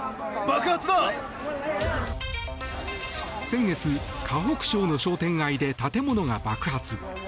先月、河北省の商店街で建物が爆発。